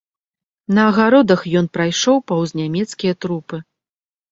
На агародах ён прайшоў паўз нямецкія трупы.